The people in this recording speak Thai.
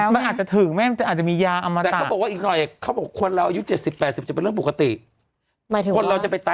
เกินครึ่งชีวิตแล้วน้ำนี้ของเขานะ